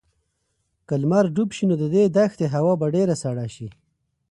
که لمر ډوب شي نو د دې دښتې هوا به ډېره سړه شي.